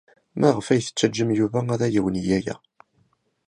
Maɣef ay tettaǧǧam Yuba ad awen-yeg aya?